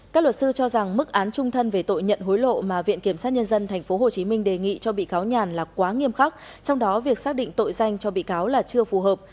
các luật sư cho rằng mức án trung thân về tội nhận hối lộ mà viện kiểm sát nhân dân tp hcm đề nghị cho bị cáo nhàn là quá nghiêm khắc trong đó việc xác định tội danh cho bị cáo là chưa phù hợp